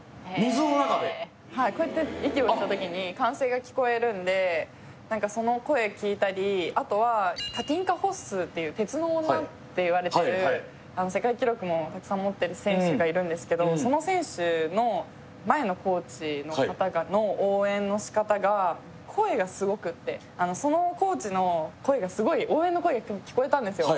はいこうやって何かその声聞いたりあとはカティンカ・ホッスーっていう鉄の女っていわれてる世界記録もたくさん持ってる選手がいるんですけどその選手の前のコーチの方が応援の仕方が声がすごくってそのコーチの声がすごい応援の声が聞こえたんですよ